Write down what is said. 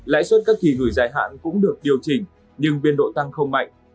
lãi suất các kỳ gửi dài hạn cũng được điều chỉnh nhưng biên độ tăng không mạnh